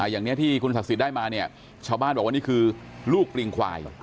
อย่างนี้ที่คุณศักดิ์สิทธิ์ได้มาเนี่ยชาวบ้านบอกว่านี่คือลูกปริงควาย